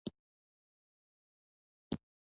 زه هره ورځ نوی څه زده کوم.